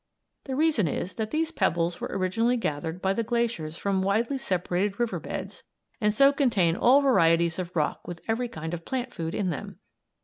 The reason is that these pebbles were originally gathered by the glaciers from widely separated river beds, and so contain all varieties of rock with every kind of plant food in them.